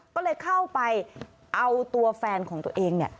ก็เลยเข้าไปเอาตัวแฟนของตัวเองเนี่ย